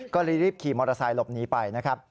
ก็เลยรีบขี่มอเตอร์ไซค์หลบหนีไปนะครับ